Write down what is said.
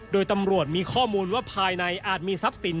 โดยตำรวจมีข้อมูลว่าภายในอาจมีทรัพย์สิน